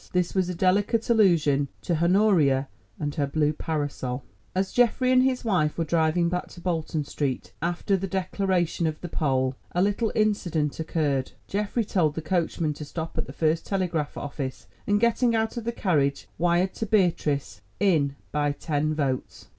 This was a delicate allusion to Honoria and her blue parasol. As Geoffrey and his wife were driving back to Bolton Street, after the declaration of the poll, a little incident occurred. Geoffrey told the coachman to stop at the first telegraph office and, getting out of the carriage, wired to Beatrice, "In by ten votes."